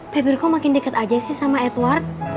febri kok makin deket aja sih sama edward